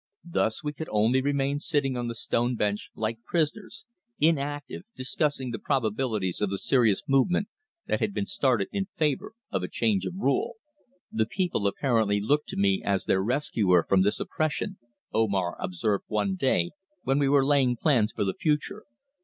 Thus we could only remain sitting on the stone bench like prisoners, inactive, discussing the probabilities of the serious movement that had been started in favour of a change of rule. "The people apparently look to me as their rescuer from this oppression," Omar observed one day when we were laying plans for the future.